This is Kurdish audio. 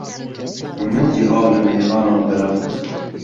Min jî av li mêvanan belav kir.